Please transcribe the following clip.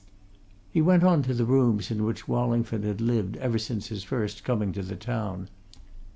He went on to the rooms in which Wallingford had lived ever since his first coming to the town.